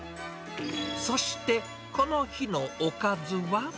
そして、この日のおかずは。